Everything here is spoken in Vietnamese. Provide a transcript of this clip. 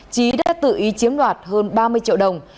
trí đã tự ý chiếm đoạt hơn ba mươi triệu đồng